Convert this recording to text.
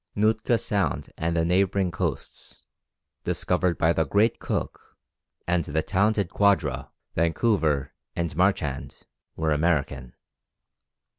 Nootka Sound and the neighbouring coasts, discovered by the great Cook and the talented Quadra, Vancouver, and Marchand, were American.